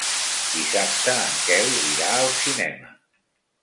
Dissabte en Quel irà al cinema.